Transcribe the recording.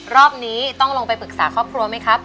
รอบนี้ต้องลงไปปรึกษาครอบครัวไหมครับ